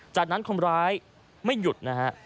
จากนั้นคนร้ายไม่หยุดนะฮะ